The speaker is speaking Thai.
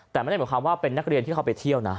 แต่ไม่ได้หมายความว่าเป็นนักเรียนที่เขาไปเที่ยวนะ